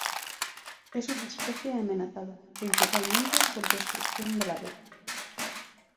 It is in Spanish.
Es una especie amenazada, principalmente por destrucción de hábitat.